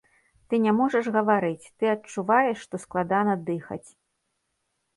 Ты не можаш гаварыць, ты адчуваеш, што складана дыхаць.